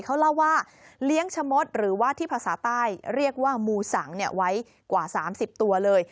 เขาเล่าว่าเลี้ยงชะมดหรือว่าที่ภาษาใต้เรียกว่ามูสังไว้กว่า๓๐ตัวเลย